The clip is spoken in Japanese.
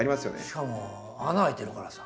しかも穴開いてるからさ。